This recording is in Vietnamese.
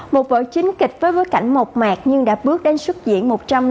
một vỡ chính kịch với bối cảnh một mạc nhưng đã bước đến xuất diễn một trăm năm mươi